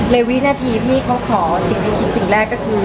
วินาทีที่เขาขอสิ่งที่คิดสิ่งแรกก็คือ